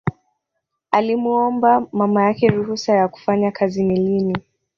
Alimuomba mama yake ruhusa ya kufanya kazi melini